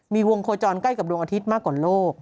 มีวงโคจรใกล้กับดวงอาทิตย์มากกว่าโลก